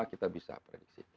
kita bisa prediksi